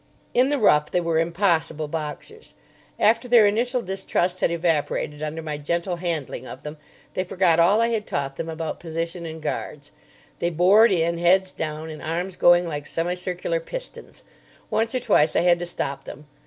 In the rough they were impossible boxers. After their initial distrust had evaporated under my gentle handling of them, they forgot all I had taught them about position and guards. They bored in, heads down and arms going like semicircular pistons. Once or twice I had to stop them.